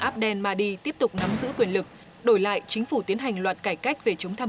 abdel mahdi tiếp tục nắm giữ quyền lực đổi lại chính phủ tiến hành loạt cải cách về chống tham